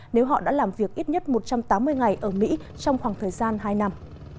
nếu họ đã làm việc ít nhất một trăm tám mươi ngày ở mỹ trong khoảng thời gian hai năm